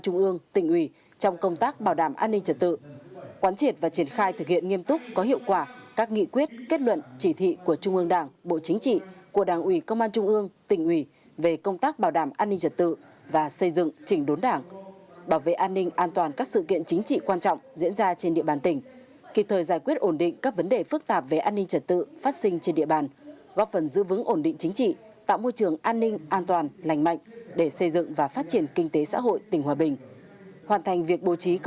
thượng tượng nguyễn văn thành ủy viên trung ương đảng bộ chính trị của đảng ủy công an trung ương tỉnh ủy về công tác bảo đảm an ninh trật tự và xây dựng trình đốn đảng bảo vệ an ninh an toàn các sự kiện chính trị quan trọng diễn ra trên địa bàn tỉnh kịp thời giải quyết ổn định các vấn đề phức tạp về an ninh trật tự phát sinh trên địa bàn góp phần giữ vững ổn định chính trị tạo môi trường an ninh an toàn lành mạnh để xây dựng và phát triển kinh tế xã hội tỉnh hòa bình hoàn thành việc bố tr